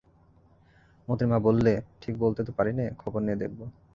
মোতির মা বললে, ঠিক বলতে তো পারি নে, খবর নিয়ে দেখব।